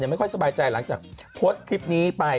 ไม่ค่อยสบายใจหลังจากโพสต์คลิปนี้ไป